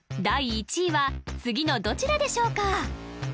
第１位は次のどちらでしょうか？